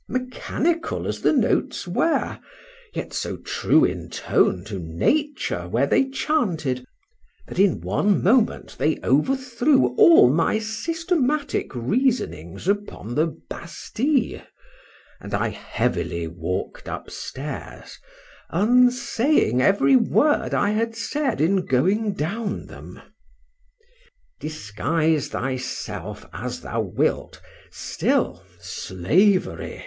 Mechanical as the notes were, yet so true in tune to nature were they chanted, that in one moment they overthrew all my systematic reasonings upon the Bastile; and I heavily walked upstairs, unsaying every word I had said in going down them. Disguise thyself as thou wilt, still, Slavery!